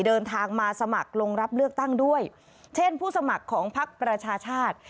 เดินทางมาสมัครลงรับเลือกตั้งด้วยเช่นผู้สมัครของพักประชาชาติ